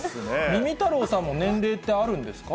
みみたろうさんも年齢ってあるんですか？